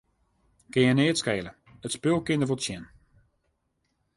Kin neat skele, it spul kin der wol tsjin.